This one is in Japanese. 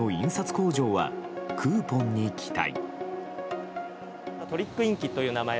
工場はクーポンに期待。